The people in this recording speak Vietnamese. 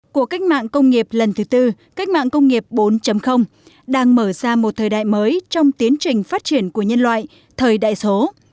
của cách mạng công nghiệp lần thứ tư cách mạng công nghiệp bốn đang mở ra một thời đại mới trong tiến trình phát triển của nhân loại thời đại số